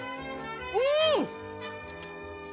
うん！